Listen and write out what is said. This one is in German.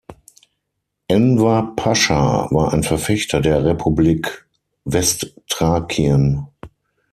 Enver Pascha war ein Verfechter der Republik Westthrakien.